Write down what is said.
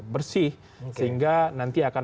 bersih sehingga nanti akan